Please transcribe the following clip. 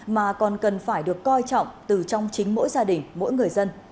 mà còn cần phải được coi trọng từ trong chính mỗi gia đình mỗi người dân